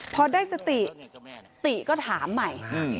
พอได้สติติก็ถามใหม่